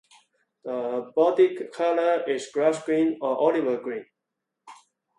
The body colour is grass green or olive green.